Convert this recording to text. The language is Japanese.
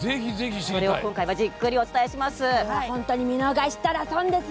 それを今回はじっくりお伝えします。